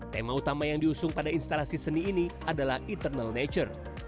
tema utama yang diusung pada instalasi seni ini adalah internal nature